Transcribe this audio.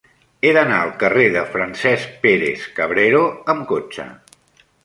He d'anar al carrer de Francesc Pérez-Cabrero amb cotxe.